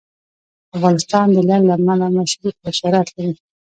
افغانستان د لعل له امله شهرت لري.